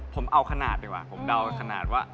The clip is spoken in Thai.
ผมเอาขนาดดีกว่าผมเดาขนาดว่า